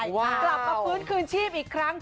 กลับมาฟื้นคืนชีพอีกครั้ง